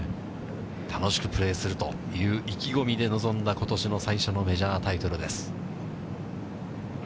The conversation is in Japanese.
楽しくプレーするという意気込みで臨んだ、ことしの最初のメジャータイトルです。